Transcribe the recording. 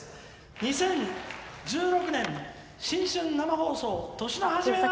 「２０１６年新春生放送年の初めは」。